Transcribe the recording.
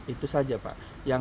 itu saja pak